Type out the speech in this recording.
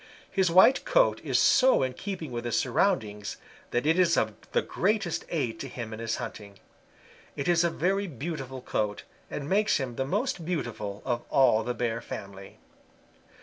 His white coat is so in keeping with his surroundings that it is of the greatest aid to him in his hunting. It is a very beautiful coat and makes him the most beautiful of all the Bear family.